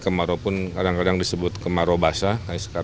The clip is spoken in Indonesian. kemarau pun kadang kadang disebut kemarau basah